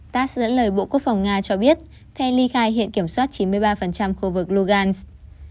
tass dẫn lời bộ quốc phòng nga cho biết then ly khai hiện kiểm soát chín mươi ba khu vực logans